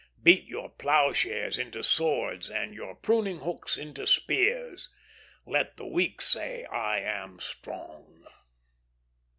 Beat your ploughshares into swords, and your pruning hooks into spears; let the weak say, I am strong."